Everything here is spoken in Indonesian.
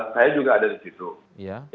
saya juga ada di situ